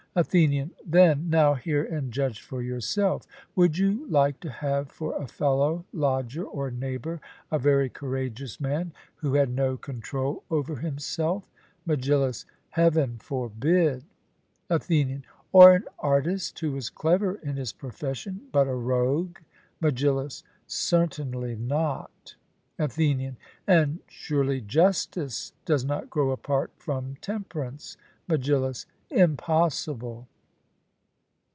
ATHENIAN: Then, now hear and judge for yourself: Would you like to have for a fellow lodger or neighbour a very courageous man, who had no control over himself? MEGILLUS: Heaven forbid! ATHENIAN: Or an artist, who was clever in his profession, but a rogue? MEGILLUS: Certainly not. ATHENIAN: And surely justice does not grow apart from temperance? MEGILLUS: Impossible.